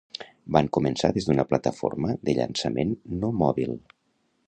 Van començar des d'una plataforma de llançament no mòbil.